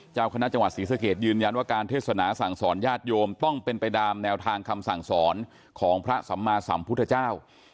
เจ้าคณะจังหวัดศรีสะเกดยืนยันว่าการเทศนาสั่งสอนญาติโยมต้องเป็นไปตามแนวทางคำสั่งสอนของพระสัมมาสัมพุทธเจ้า